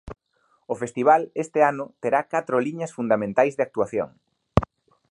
O festival este ano terá catro liñas fundamentais de actuación.